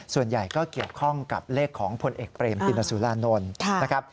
ส่วนใหญ่ก็เกี่ยวข้องกับเลขของผลเอกเปรมตินสุรานนท์นะครับ